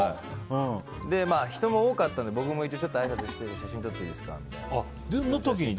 人も多かったので僕もあいさつして写真撮っていいですかみたいな。